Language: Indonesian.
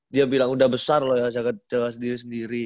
dia bilang udah besar loh ya sendiri sendiri